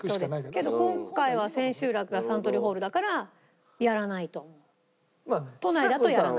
けど今回は千秋楽がサントリーホールだからやらないと思う。